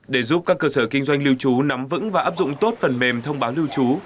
để giúp các cơ sở kinh doanh lưu trú nắm vững và áp dụng tốt phần mềm thông báo lưu trú